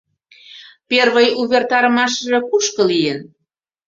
Первый увертарымашыже кушко лийын?